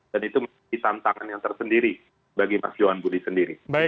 dan itu masih tantangan yang tersendiri bagi mas johan budi sendiri